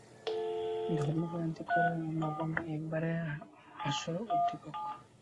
ধর্মান্তরিত করার রকমটাও একেবারে হাস্যোদ্দীপক।